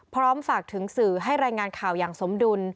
พร้อมฝากถึงสื่อให้รายงานข่าวอย่างสมดุล